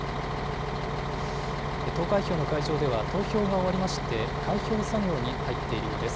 投開票の会場では投票が終わりまして、開票作業に入っているようです。